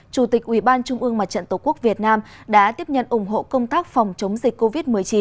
chủ tịch ủy ban trung ương mặt trận tổ quốc việt nam đã tiếp nhận ủng hộ công tác phòng chống dịch covid một mươi chín